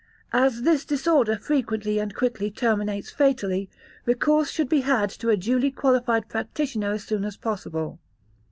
As this disorder frequently and quickly terminates fatally, recourse should be had to a duly qualified practitioner as soon as possible.